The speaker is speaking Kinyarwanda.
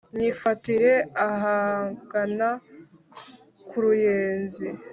Nyifatire ahagana ku Ruyenzi(